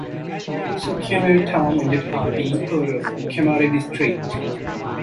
So Keamari Town ended up being part of Kemari District.